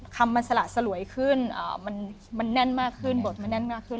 คำมันสละสลวยขึ้นมันแน่นมากขึ้นบทมันแน่นมากขึ้น